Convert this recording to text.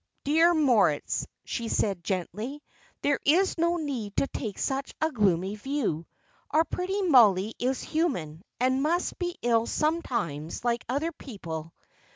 "Dear Moritz," she said, gently, "there is no need to take such a gloomy view. Our pretty Mollie is human, and must be ill sometimes like other people.